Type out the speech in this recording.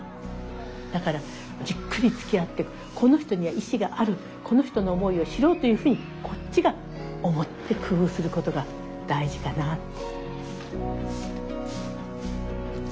だからじっくりつきあってこの人には意思があるこの人の思いを知ろうというふうにこっちが思って工夫することが大事かなって。